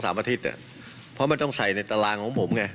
อาทิตย์เพราะมันต้องใส่ในตารางของผมไง